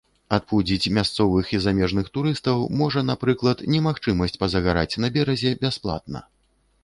Адпудзіць мясцовых і замежных турыстаў можа, напрыклад, немагчымасць пазагараць на беразе бясплатна.